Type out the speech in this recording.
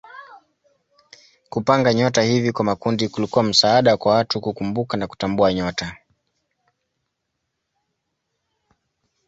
Kupanga nyota hivi kwa makundi kulikuwa msaada kwa watu kukumbuka na kutambua nyota.